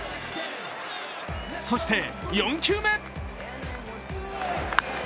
そして４球目。